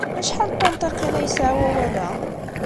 Acḥal n tunṭiqin ay yesɛa wawal-a?